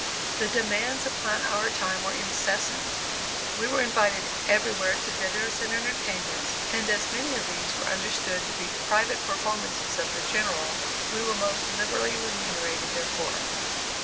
The demands upon our time were incessant. We were invited everywhere to dinners and entertainments, and as many of these were understood to be private performances of the General, we were most liberally remunerated therefor.